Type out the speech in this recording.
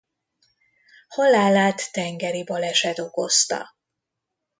Halálát tengeri baleset okozta.